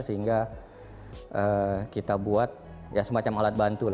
sehingga kita buat semacam alat bantu